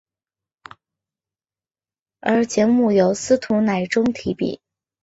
而节目由司徒乃钟题笔。